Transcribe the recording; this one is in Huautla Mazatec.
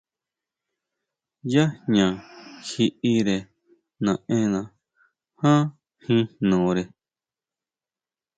Yá jña kjiʼire naʼenna ján jin jnore.